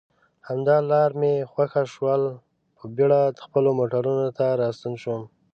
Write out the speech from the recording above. همدا لار مې خوښه شول، په بېړه خپلو موټرو ته راستون شوم.